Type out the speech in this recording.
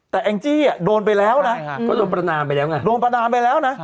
แต่แองจี้โดนไปแล้วโดนประนามไปแล้ว